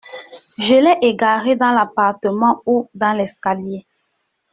Je l’ai égaré dans l’appartement ou dans l’escalier…